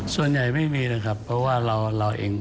ส่วนใหญ่ไม่มีนะครับเพราะว่าเราเอง